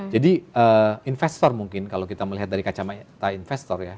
jadi investor mungkin kalau kita melihat dari kacamata investor ya